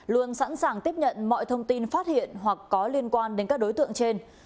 luôn sẵn sàng tiếp nhận mọi thông tin phát hiện hoặc có liên quan đến các đối tượng trên